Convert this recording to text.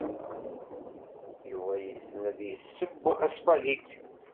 Yuba yessen ad d-yessew aspagiti.